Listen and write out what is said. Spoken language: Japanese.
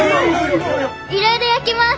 いろいろ焼きます。